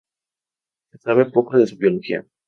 Se sabe poco de su biología.